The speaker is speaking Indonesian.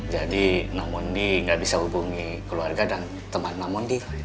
jadi namondi nggak bisa hubungi keluarga dan teman namondi